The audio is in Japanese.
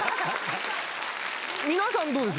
皆さんどうです？